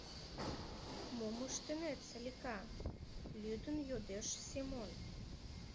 — Мом ыштынет, Салика? — лӱдын йодеш Семон.